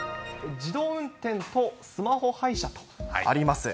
自動運転とスマホ配車とあります。